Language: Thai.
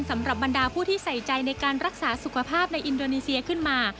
สำหรับบรรดาผู้ที่ใส่ใจในการรักษาสุขภาพในอินโดนีเซียขึ้นมา